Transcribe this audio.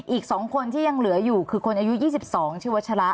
อีก๒คนที่ยังเหลืออยู่คือคนอายุ๒๒ชื่อวัชละ